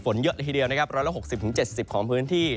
ฝนเยอะทีเดียว๑๖๐๑๗๐ของพื้นที่